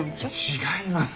違います。